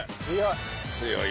強い！